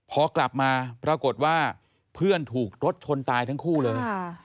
พอกลับมาปรากฏว่าเพื่อนถูกรถชนตายทั้งคู่เลย